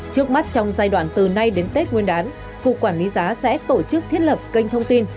trước mắt trong giai đoạn từ nay đến tết nguyên đán cục quản lý giá sẽ tổ chức thiết lập kênh thông tin